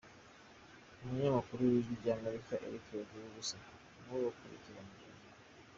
Umunyamakuru w’Ijwi ry’Amerika Eric Bagiruwubusa ni we wakurikiranye iyi nkuru.